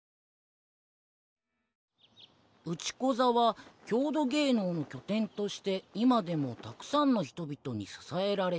内子座は郷土芸能の拠点として今でもたくさんの人々に支えられている。